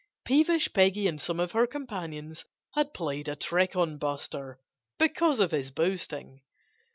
Peevish Peggy and some of her companions had played a trick on Buster because of his boasting.